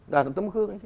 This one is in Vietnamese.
làm tấm gương